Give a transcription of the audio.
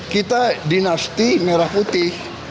kita dinasti merah putih